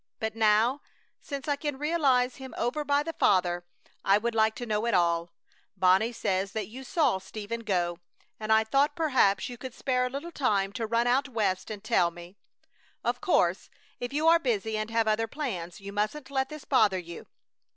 But now since I can realize him over by the Father, I would like to know it all. Bonnie says that you saw Stephen go, and I thought perhaps you could spare a little time to run out West and tell me. Of course, if you are busy and have other plans you mustn't let this bother you.